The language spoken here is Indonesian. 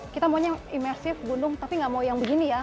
kita maunya imersif gunung tapi nggak mau yang begini ya